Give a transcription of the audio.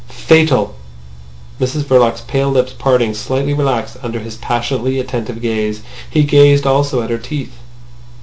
... Fatal! Mrs Verloc's pale lips parting, slightly relaxed under his passionately attentive gaze, he gazed also at her teeth.